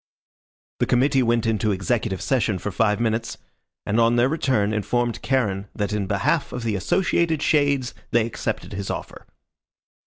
The committee went into executive session for five minutes, and on their return informed Charon that in behalf of the Associated Shades they accepted his offer.